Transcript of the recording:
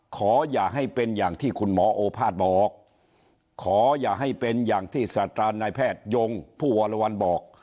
ขออย่าให้เป็นอย่างที่คุณหมอโอภาษย์บอกขออย่าให้เป็นอย่างที่ศาตรานายแพทยงผู้วรวรรณบอก